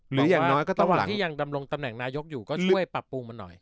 อย่างน้อยระหว่างที่ยังดำรงตำแหน่งนายกอยู่ก็ช่วยปรับปรุงมันหน่อย